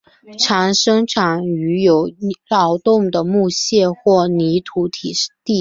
常生长于有扰动的木屑或泥土地上。